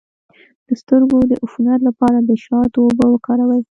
د سترګو د عفونت لپاره د شاتو اوبه وکاروئ